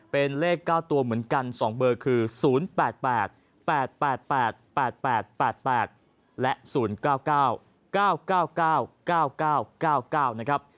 เป็นเลข๙ตัวเหมือนกัน๒เบอร์คือ๐๘๘๘๘และ๐๙๙๙๙๙๙๙๙๙๙นะครับ